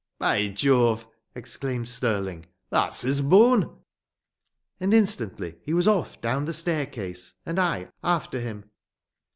"By Jove!" exclaimed Stirling. "That's his bone!" And instantly he was off down the staircase and I after him.